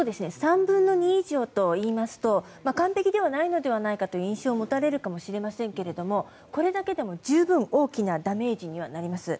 ３分の２以上といいますと完ぺきではないのではないかという印象を持たれるかもしれませんけれどもこれだけでも十分大きなダメージにはなります。